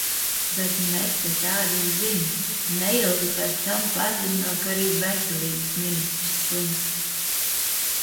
Bet ne te tādas ziņas. Neilgi pēc tam paziņo, ka arī veselības ministrs slims.